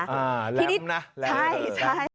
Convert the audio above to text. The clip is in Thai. อ่าแรมนะใช่